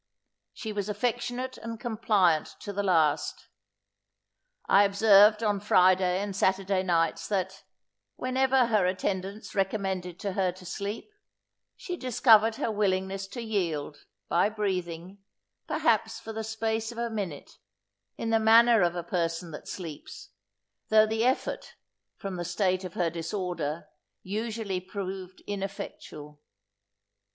She was affectionate and compliant to the last. I observed on Friday and Saturday nights, that, whenever her attendants recommended to her to sleep, she discovered her willingness to yield, by breathing, perhaps for the space of a minute, in the manner of a person that sleeps, though the effort, from the state of her disorder, usually proved ineffectual.